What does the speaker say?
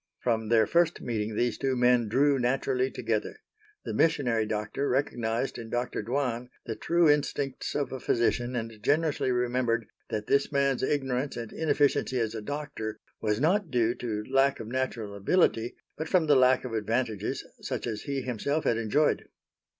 From their first meeting these two men drew naturally together. The missionary doctor recognized in Dr. Dwan the true instincts of a physician and generously remembered that this man's ignorance and inefficiency as a doctor was not due to lack of natural ability but from the lack of advantages such as he himself had enjoyed.